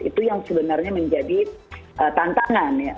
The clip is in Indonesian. itu yang sebenarnya menjadi tantangan